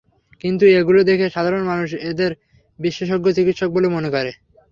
কিন্তু এগুলো দেখে সাধারণ মানুষ এঁদের বিশেষজ্ঞ চিকিৎসক বলে মনে করে।